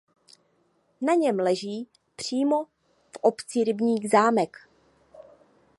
Na něm leží přímo v obci rybník Zámek.